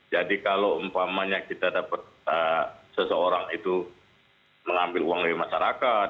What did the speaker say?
jadi kalau umpamanya kita dapat seseorang itu mengambil uang dari masyarakat